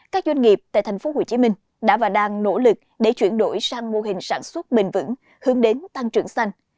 các doanh nghiệp tại thành phố hồ chí minh đã và đang nỗ lực để chuyển đổi sang mô hình sản xuất bình vững hướng đến tăng trưởng xanh